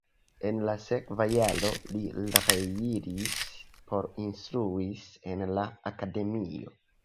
En la sekva jaro li reiris por instruis en la akademio.